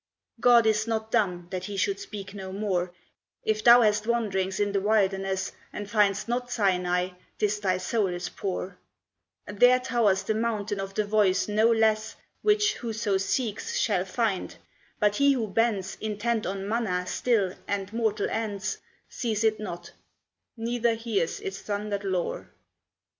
God is not dumb, that he should speak no more; If thou hast wanderings in the wilderness And find'st not Sinai, 'tis thy soul is poor; There towers the mountain of the Voice no less, Which whoso seeks shall find, but he who bends, Intent on manna still and mortal ends, Sees it not, neither hears its thundered lore.